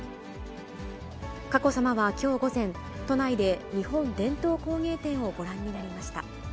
佳子さまはきょう午前、都内で日本伝統工芸展をご覧になりました。